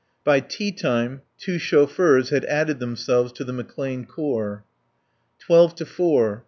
By tea time two chauffeurs had added themselves to the McClane Corps. Twelve to four.